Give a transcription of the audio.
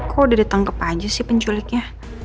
kok udah ditangkap aja sih penculiknya